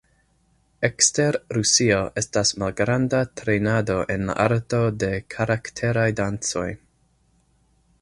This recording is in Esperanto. Ekster Rusio, estas malgranda trejnado en la arto de karakteraj dancoj.